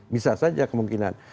bisa saja kemungkinan